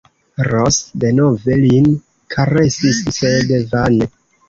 Ros denove lin karesis, sed vane.